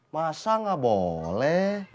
masa gak boleh